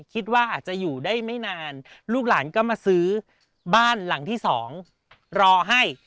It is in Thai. คิดว่าอาจจะอยู่ได้ไม่นานลูกหลานก็มาซื้อบ้านหลังที่๒รอให้